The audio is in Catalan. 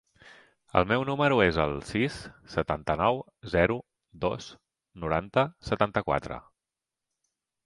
El meu número es el sis, setanta-nou, zero, dos, noranta, setanta-quatre.